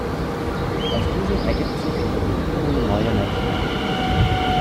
Aus diesem ergibt sich die resultierende neue Netzspannung.